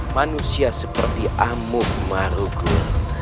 manusia seperti amuk marugul